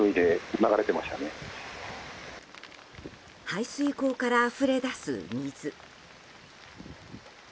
排水溝からあふれ出す水。